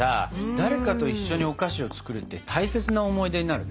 誰かと一緒にお菓子を作るって大切な思い出になるね！